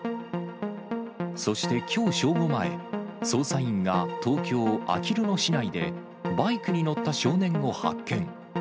そして、きょう正午前、捜査員が東京・あきる野市内で、バイクに乗った少年を発見。